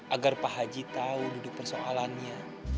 agar pak haji tahu duduk persoalannya